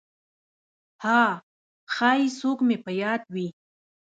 «ها… ښایي څوک مې په یاد وي!»